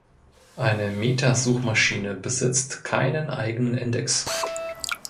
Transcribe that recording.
Eine Metasuchmaschine besitzt keinen eigenen Index.